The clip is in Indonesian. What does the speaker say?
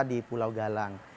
di pulau galang